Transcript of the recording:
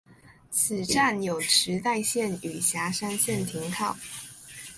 此站有池袋线与狭山线停靠。